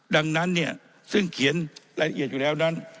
ดังนั้นเนี่ยซึ่งเขียนรายละเอียดอยู่แล้วนั้น